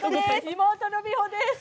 妹の美穂です。